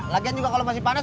lagian juga kalo masih panas